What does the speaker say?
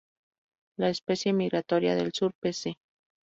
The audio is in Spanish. La especie migratoria del Sur "P.c.